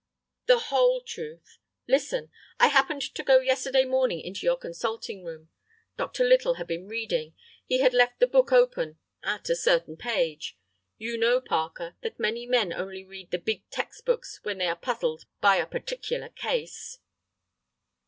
"The whole truth. Listen—I happened to go yesterday morning into your consulting room. Dr. Little had been reading; he had left the book open—at a certain page. You know, Parker, that many men only read the big text books when they are puzzled by a particular case."